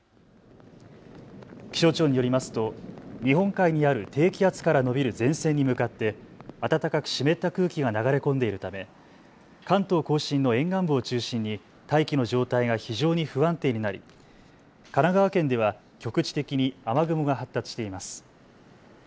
気象庁によりますと日本海にある低気圧から延びる前線に向かって暖かく湿った空気が流れ込んでいるため関東甲信の沿岸部を中心に大気の状態が非常に不安定になり、神奈川県では局地的に雨雲が発達しています。